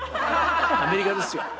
アメリカですよ。